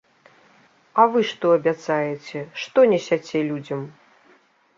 А вы што абяцаеце, што несяце людзям?